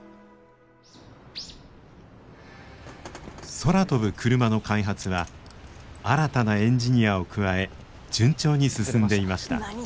空飛ぶクルマの開発は新たなエンジニアを加え順調に進んでいました。